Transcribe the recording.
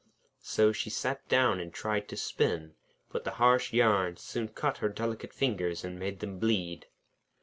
So she sat down and tried to spin, but the harsh yarn soon cut her delicate fingers and made them bleed.